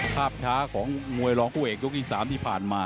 ภาพช้าของมวยรองผู้เอกยกที่๓ที่ผ่านมา